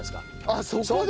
あっそこで？